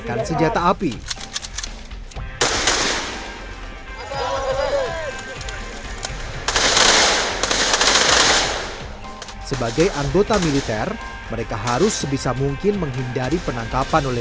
yang pertama kita ingin memberikan